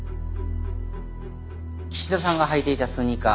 岸田さんが履いていたスニーカー。